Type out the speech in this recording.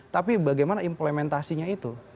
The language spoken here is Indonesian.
tapi bagaimana implementasinya itu